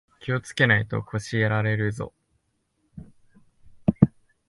気をつけないと腰やられるぞ